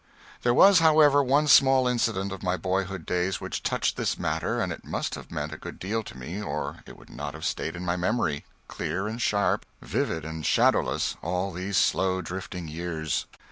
There was, however, one small incident of my boyhood days which touched this matter, and it must have meant a good deal to me or it would not have stayed in my memory, clear and sharp, vivid and shadowless, all these slow drifting years.